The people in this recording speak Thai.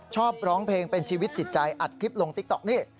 ชอบร้องเพลงเป็นชีวิตจิตใจอัดคลิปลงติ๊กต๊อกนี่